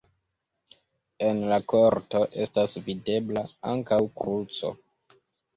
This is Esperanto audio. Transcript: En la korto estas videbla ankaŭ kruco.